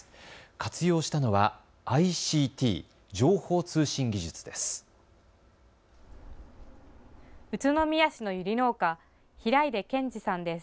活用したのはＩＣＴ・情報通信技術です。